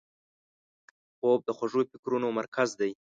خوب د خوږو فکرونو مرکز دی